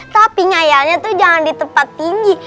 tapi nyayanya tuh jangan di tempat tinggi